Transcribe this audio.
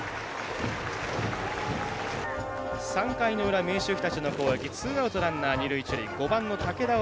３回の裏、明秀日立の攻撃ツーアウト、ランナー二塁、一塁。